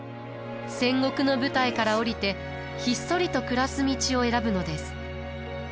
戦国の舞台から下りてひっそりと暮らす道を選ぶのです。